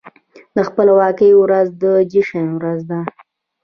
د خپلواکۍ ورځ د جشن ورځ ده.